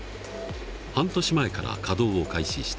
半年前から稼働を開始した。